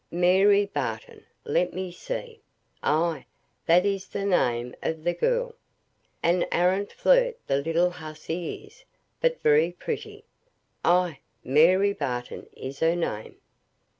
"Mary Barton! let me see. Ay, that is the name of the girl. An arrant flirt, the little hussy is; but very pretty. Ay, Mary Barton is her name."